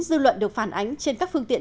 dư luận được phản ánh trên các phương tiện